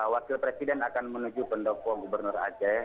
wakil presiden akan menuju pendopo gubernur aceh